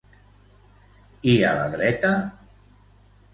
I a la dreta?